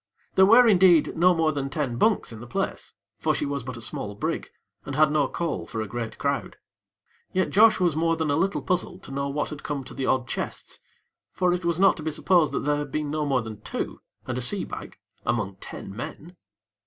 There were, indeed, no more than ten bunks in the place; for she was but a small brig, and had no call for a great crowd. Yet Josh was more than a little puzzled to know what had come to the odd chests; for it was not to be supposed that there had been no more than two and a sea bag among ten men.